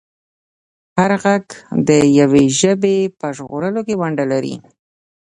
هر غږ د یوې ژبې په ژغورلو کې ونډه لري.